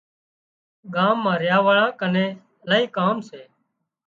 ڳام مان ريا واۯان ڪنين الاهي ڪام سي